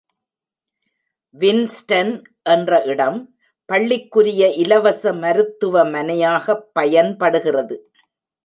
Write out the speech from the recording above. Winston என்ற இடம் பள்ளிக்குரிய இலவச மருத்துவமனையாகப் பயன்படுகிறது.